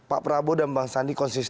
pak prabowo dan bang sandi kok bisa